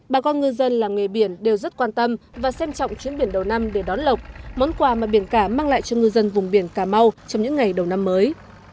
bà con ngư dân làng nghề biển đều rất quan tâm và xem trọng chuyến biển đầu năm để đón lọc món quà mà biển cả mang lại cho ngư dân vùng biển cà mau trong những ngày đầu năm mới